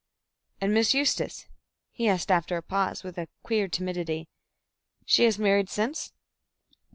"And Miss Eustace?" he asked after a pause, with a queer timidity. "She has married since?"